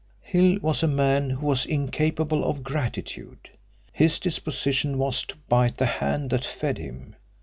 Hill was a man who was incapable of gratitude. His disposition was to bite the hand that fed him.